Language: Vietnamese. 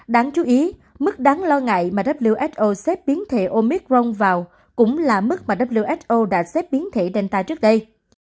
đáng chú ý mức đáng lo ngại mà who xếp biến thể omicron vào cũng là mức mà who đã xếp biến thể delta trước đây